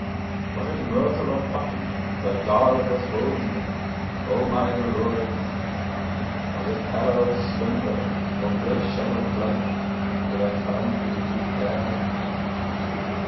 Was it myrtle or poppy thy garland was woven with, O my Dolores? Was it pallor or slumber, or blush as of blood, that I found in thee fair?